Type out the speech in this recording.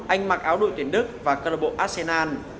anh mặc áo đội tuyển đức và club arsenal